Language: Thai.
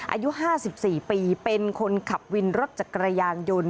อายุ๕๔ปีเป็นคนขับวินรถจักรยานยนต์